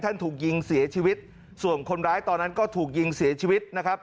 ถูกยิงเสียชีวิตส่วนคนร้ายตอนนั้นก็ถูกยิงเสียชีวิตนะครับ